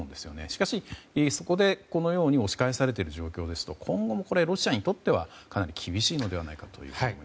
しかし、そこでこのように押し返されている状況ですと今後もロシアにとっては厳しいのではないかと。